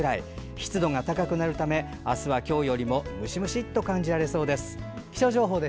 湿度が高くなるため、今日よりもムシムシと感じられそうです。